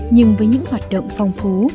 nhưng với những hoạt động phong phú